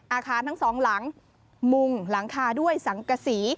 อาคารทั้งสองหลังมุงหลังคาด้วยสังกษี